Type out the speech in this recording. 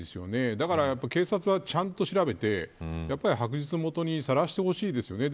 だから警察はちゃんと調べて白日のもとにさらしてほしいですよね。